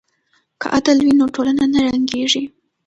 که عدل وي نو ټولنه نه ړنګیږي.